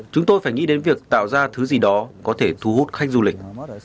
chúng tôi phải nghĩ đến việc tạo ra thứ gì đó có thể thu hút khách du lịch